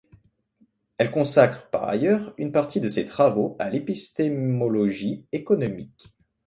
Elle consacre, par ailleurs, une partie de ses travaux à l'épistémologie économique.